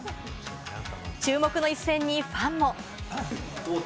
注目の一戦にファンも。